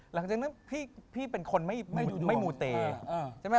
หลังจากนั้นพี่เป็นคนไม่มูเตใช่ไหม